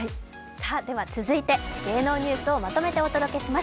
続いて、芸能ニュースをまとめてお届けします